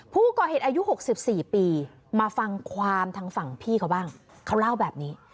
ผู้ก่อเหตุอายุ๖๔ปีมาฟังความทางฝั่งพี่เขาบ้างเขาเล่าแบบนี้